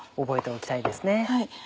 覚えておきたいですね。